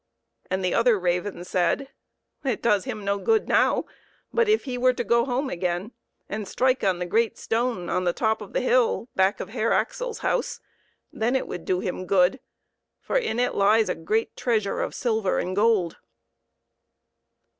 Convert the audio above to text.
And the other raven said, " It does him no good now, but if he were to go home again and strike on the great stone on the top of the hill back of Herr Axel's house, then it would do him good ; for in it lies a great treasure of silver and gold."